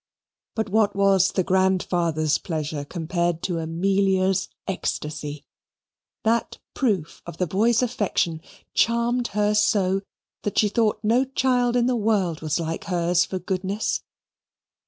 But what was the grandfather's pleasure compared to Amelia's ecstacy? That proof of the boy's affection charmed her so that she thought no child in the world was like hers for goodness.